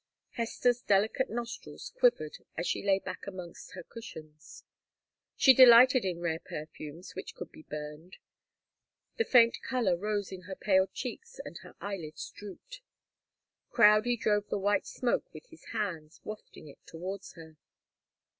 Hester's delicate nostrils quivered, as she lay back amongst her cushions. She delighted in rare perfumes which could be burned. The faint colour rose in her pale cheeks, and her eyelids drooped. Crowdie drove the white smoke with his hands, wafting it towards her.